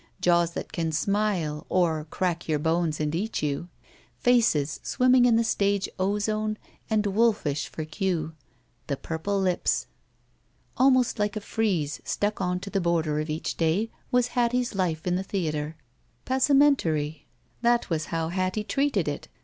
Jaws that can smile or crack your bones and eat you. Faces swimming in the stage ozone and wolfish for cue. The purple lips — Almost like a frieze stuck on to the border of each day was Hattie's life in the theater. Passementerie. That was how Hattie treated it.